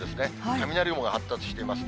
雷雲が発達しています。